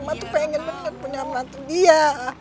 mama tuh pengen banget punya mantu dia